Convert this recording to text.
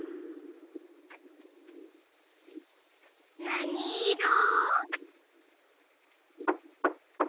なにいろ？